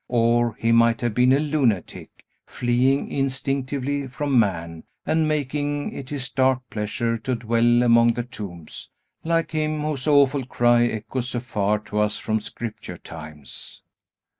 Or he might have been a lunatic, fleeing instinctively from man, and making it his dark pleasure to dwell among the tombs, like him whose awful cry echoes afar to us from Scripture times.